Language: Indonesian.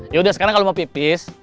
yaudah sekarang kalau mau pipis